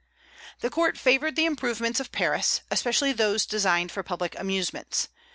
The court favored the improvements of Paris, especially those designed for public amusements.